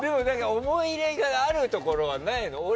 思い入れがあるところないの？